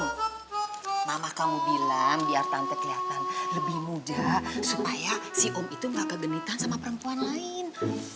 hai mama kamu bilang biar tante kelihatan lebih muda supaya si om itu nggak kegenitan sama perempuan lain